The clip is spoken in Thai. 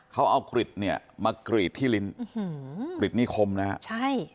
เขาเอากริดเนี่ยมากรีดที่ลิ้นกริจนิคมนะฮะใช่